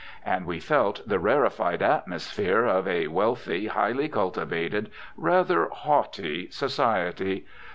And we felt the rarefied atmosphere of a wealthy, highly cultivated, rather haughty society.